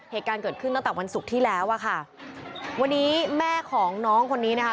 เหตุการณ์เกิดขึ้นตั้งแต่วันศุกร์ที่แล้วอ่ะค่ะวันนี้แม่ของน้องคนนี้นะคะ